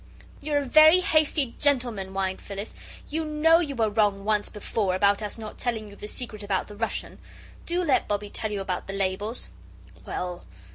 "You're a very hasty gentleman," whined Phyllis; "you know you were wrong once before, about us not telling you the secret about the Russian. Do let Bobbie tell you about the labels!" "Well.